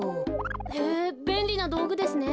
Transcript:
へえべんりなどうぐですね。